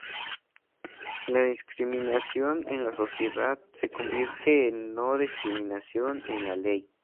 La discriminación en la sociedad se convierte en no discriminación en la ley.